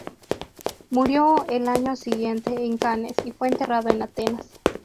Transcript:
Murió el año siguiente en Cannes, y fue enterrado en Atenas.